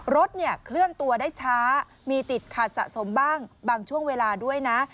รถเนี่ยเคลื่อนตัวได้ช้ามีติดขัดสะสมบ้างบางช่วงเวลาด้วยนะ